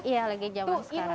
iya lagi jaman sekarang